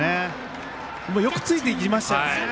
よくついていきましたよね。